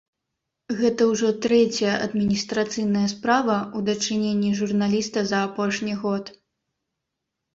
Гэта ўжо трэцяя адміністрацыйная справа ў дачыненні журналіста за апошні год.